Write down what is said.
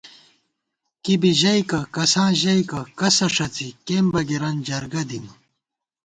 کِبی ژَئیکہ، کساں ژَئیکہ، کسہ ݭَڅی ، کېن بَگِرَن جرگہ دِم